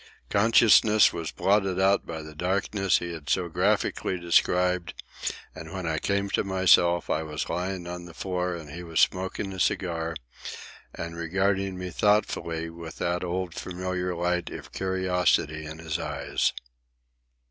Consciousness was blotted out by the darkness he had so graphically described, and when I came to myself I was lying on the floor and he was smoking a cigar and regarding me thoughtfully with that old familiar light of curiosity in his eyes.